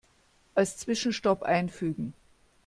Als Zwischenstopp einfügen.